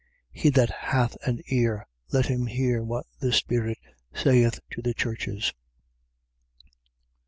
3:13. He that hath an ear, let him hear what the Spirit saith to the churches.